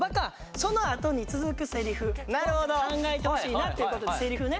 そのあとに続くせりふを考えてほしいなっていうことでせりふね。